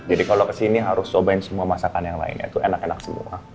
jadi kalau kesini harus cobain semua masakan yang lainnya itu enak enak semua